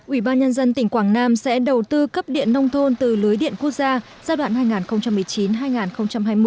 ubnd tỉnh quảng nam sẽ đầu tư cấp điện nông thôn từ lưới điện quốc gia giai đoạn hai nghìn một mươi chín hai nghìn hai mươi